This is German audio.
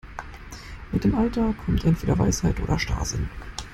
Mit dem Alter kommt entweder Weisheit oder Starrsinn.